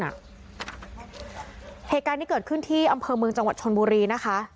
เหตุการณ์ที่เกิดขึ้นที่อำเภอเมืองจังหวัดชนบุรีนะคะ